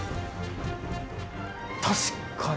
確かに。